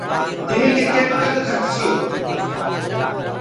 تمي ڪريٽ ڪد کٽسيو؟